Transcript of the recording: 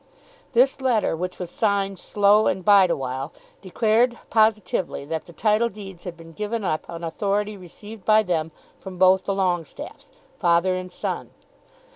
This letter, which was signed Slow and Bideawhile, declared positively that the title deeds had been given up on authority received by them from both the Longestaffes, father and son.